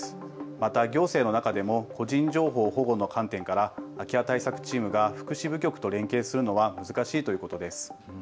また行政の中でも個人情報保護の観点から空き家対策チームが福祉部局と連携するというのは難しいということです。